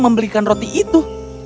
membelikan roti itu